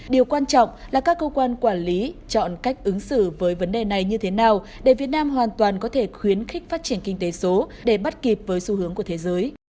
điều quan trọng là các cơ quan quản lý chọn cách ứng xử với vấn đề này như thế nào để việt nam hoàn toàn có thể khuyến khích phát triển kinh tế số để bắt kịp với xu hướng của thế giới